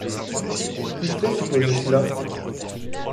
Qui te fait supposer cela ?